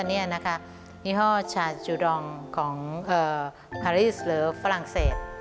นี่ยี่ห้อชาจูดองของพาริสหรือฝรั่งเศส